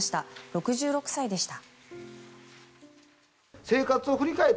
６６歳でした。